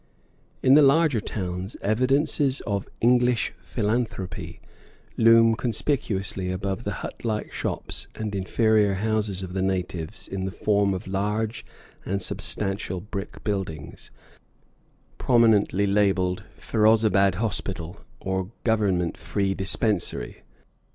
In the larger towns, evidences of English philanthropy loom conspicuously above the hut like shops and inferior houses of the natives in the form of large and substantial brick buildings, prominently labelled "Ferozabad Hospital" or "Government Free Dispensary."